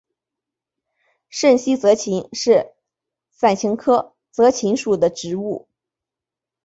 滇西泽芹是伞形科泽芹属的植物。